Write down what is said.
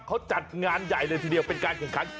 เขาจัดงานใหญ่เลยทีเดียวเป็นการแข่งขัน